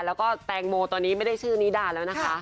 แล้วก็แตงโมตอนนี้ไม่ได้ชื่อนิดาแล้วนะคะ